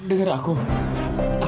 sampai tak terdengar